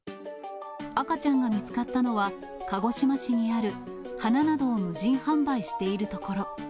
赤ちゃんが見つかったのは、鹿児島市にある、花などを無人販売している所。